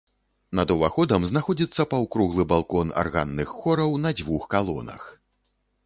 Над уваходам знаходзіцца паўкруглы балкон арганных хораў на дзвюх калонах.